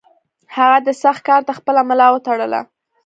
هغه دې سخت کار ته خپله ملا وتړله.